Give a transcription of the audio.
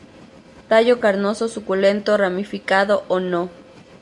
Tallo carnoso, suculento, ramificado o no.